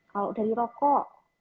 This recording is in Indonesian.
kalau dari rokok